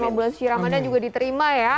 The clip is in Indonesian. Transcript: semoga bulan suci ramadhan juga diterima ya